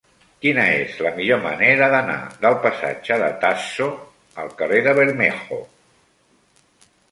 Quina és la millor manera d'anar del passatge de Tasso al carrer de Bermejo?